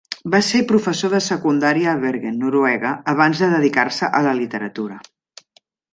Va ser professor de secundària a Bergen (Noruega) abans de dedicar-se a la literatura.